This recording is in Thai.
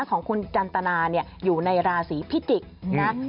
ของคุณจันตนาอยู่ในราศีพิติกนะครับ